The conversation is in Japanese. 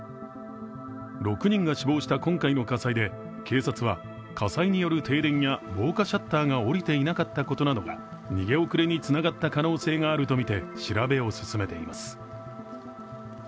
６人が死亡した今回の火災で警察は火災による停電や防火シャッターが下りていなかったことなどが逃げ遅れにつながった可能性があるとみて調べを進めています。